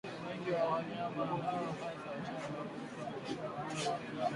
Wengi wa wanyama hao hasa wachanga huathirika Maambukizi mapya baada ya kupona